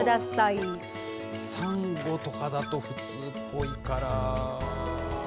サンゴとかだと普通っぽいから。